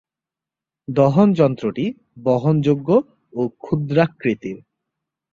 দহন যন্ত্রটি বহনযোগ্য ও ক্ষুদ্রাকৃতির।